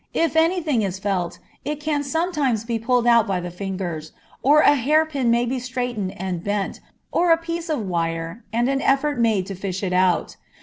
If any thing is felt, it can sometimes be pulled out by the fingers, or a hair pin may be straightened and bent, or a piece of wire, and an effort made to fish it out.